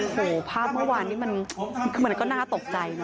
โอ้โหภาพเมื่อวานนี้ก็น่าตกใจ